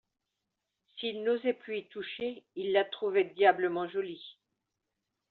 S'il n'osait plus y toucher, il la trouvait diablement jolie.